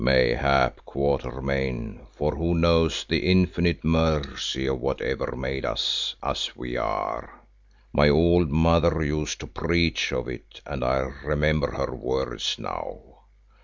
"Mayhap, Quatermain, for who knows the infinite mercy of whatever made us as we are? My old mother used to preach of it and I remember her words now.